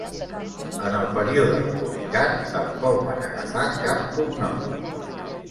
En el període republicà tampoc van agafar cap cognom.